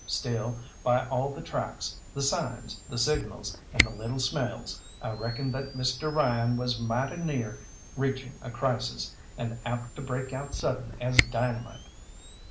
Still, by all the tracks, the signs, the signals, and the little smells, I reckoned that Mr. Ryan was mighty near reaching a crisis, and apt to break out sudden as dynamite.